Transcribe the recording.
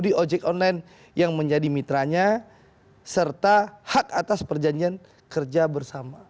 di ojek online yang menjadi mitranya serta hak atas perjanjian kerja bersama